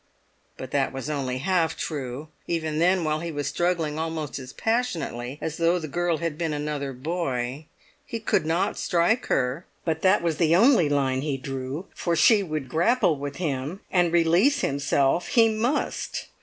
But that was only half true, even then while he was struggling almost as passionately as though the girl had been another boy. He could not strike her; but that was the only line he drew, for she would grapple with him, and release himself he must.